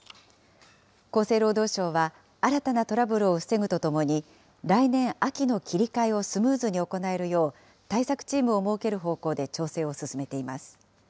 厚生労働省は、新たなトラブルを防ぐとともに、来年秋の切り替えをスムーズに行えるよう、対策チームを設ける方向で調整を進めています。